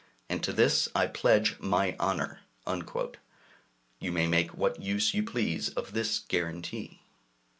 And to this I pledge my honor." You may make what use you please of this guarantee.